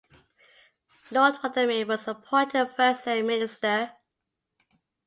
Lord Rothermere was appointed the first Air Minister.